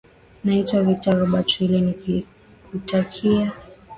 naitwa victor robert wile nikikutakia